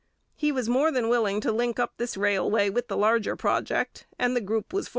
He was more than willing to link up this railway with the larger project, and the group was formed.